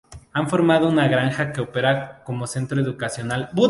Han formado una granja que opera como centro educacional.